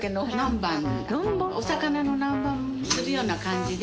お魚の南蛮するような感じで。